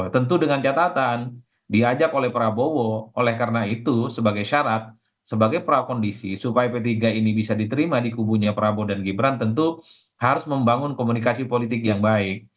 tentu dengan catatan diajak oleh prabowo oleh karena itu sebagai syarat sebagai prakondisi supaya p tiga ini bisa diterima di kubunya prabowo dan gibran tentu harus membangun komunikasi politik yang baik